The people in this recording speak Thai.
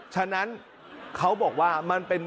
ฉะนั้นเขาบอกว่ามันเป็น